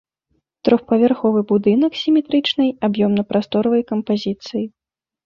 Трохпавярховы будынак сіметрычнай аб'ёмна-прасторавай кампазіцыі.